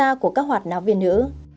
sự tham gia của các hoạt nạ viên nữ